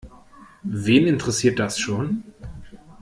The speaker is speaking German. Wen interessiert das schon?